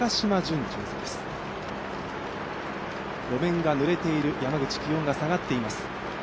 路面がぬれている山口、気温が下がっています。